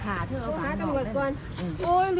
ขอโทษจำรวจก่อน